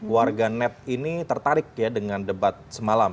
warga net ini tertarik ya dengan debat semalam